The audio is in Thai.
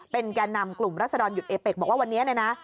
เป็นแก่นำกลุ่มรัศดรหยุดเอเป็กบอกว่าวันนี้เนี่ยนะ